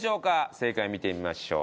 正解を見てみましょう。